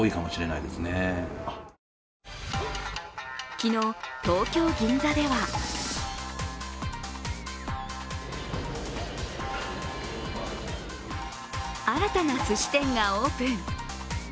昨日、東京・銀座では新たなすし店がオープン。